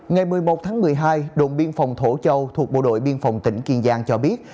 ngày một mươi một tháng một mươi hai đồn biên phòng thổ châu thuộc bộ đội biên phòng tỉnh kiên giang cho biết